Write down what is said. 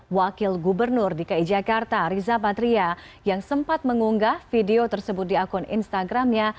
wakil gubernur dki jakarta riza patria yang sempat mengunggah video tersebut di akun instagramnya